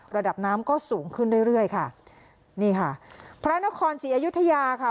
ระดับน้ำก็สูงขึ้นเรื่อยเรื่อยค่ะนี่ค่ะพระนครศรีอยุธยาค่ะ